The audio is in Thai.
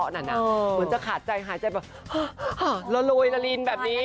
เหมือนจะหายใจแบบละลวยละลินแบบนี้